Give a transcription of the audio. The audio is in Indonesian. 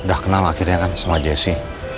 udah kenal akhirnya kan sama jessi